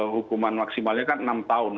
hukuman maksimalnya kan enam tahun